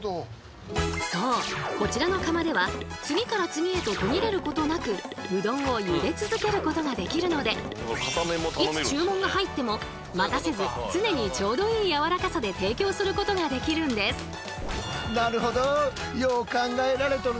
こちらの釜では次から次へと途切れることなくうどんを茹で続けることができるのでいつ注文が入っても待たせず常にちょうどいいやわらかさで提供することができるんです。